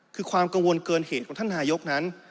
คือความกังวลเกินเหตุของท่านนายกนั้น